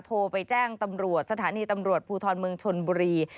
โทรไปแจ้งตำรวจสถานีตำรวจภูทรเมืองชนบุรี